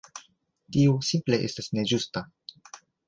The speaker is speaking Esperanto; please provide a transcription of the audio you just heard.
Tio simple estas ne ĝusta.